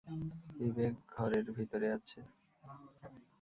বিবেক, ঘরের ভিতরে আছে।